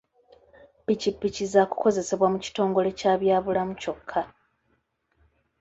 Ppikipiki zaakukozesebwa mu kitongole kya byabulamu kyokka.